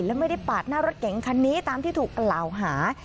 และไม่ได้ปาดหน้ารถเก๋งคันนี้ตามที่ถูกกล่าวหา